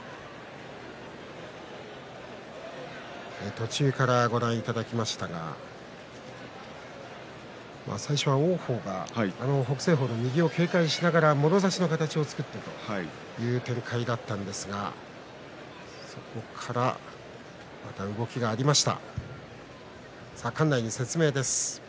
途中からご覧いただきましたが最初は王鵬が北青鵬の右を警戒しながらもろ差しの体勢で取ったんですが、そこから動きがありました。